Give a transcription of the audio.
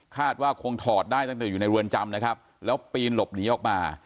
ว่าคงถอดได้ตั้งแต่อยู่ในเรือนจำนะครับแล้วปีนหลบหนีออกมา